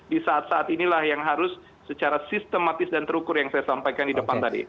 di saat saat inilah yang harus secara sistematis dan terukur yang saya sampaikan di depan tadi